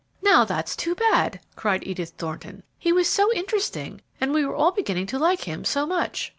"Now, that is too bad!" cried Edith Thornton. "He was so interesting, and we were all beginning to like him so much."